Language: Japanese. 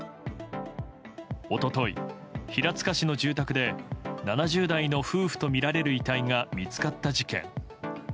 一昨日、平塚市の住宅で７０代の夫婦とみられる遺体が見つかった事件。